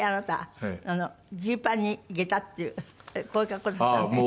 ジーパンに下駄っていうこういう格好だったのね。